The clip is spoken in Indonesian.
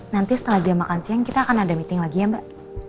nanti setelah jam makan siang kita akan ada meeting lagi ya mbak